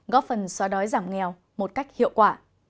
góp phần xóa đói giảm nghèo một cách hiệu quả